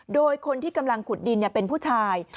โดยคนที่กำลังขุดดินเป็นผู้ชาย